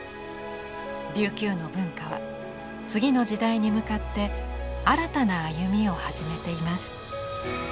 琉球の文化は次の時代に向かって新たな歩みを始めています。